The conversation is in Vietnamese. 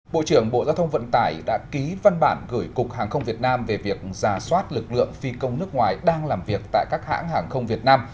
bộ trưởng bộ giao thông vận tải đã ký văn bản gửi cục hàng không việt nam về việc giả soát lực lượng phi công nước ngoài đang làm việc tại các hãng hàng không việt nam